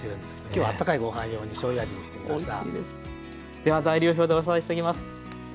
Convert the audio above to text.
では材料表でおさらいしていきます。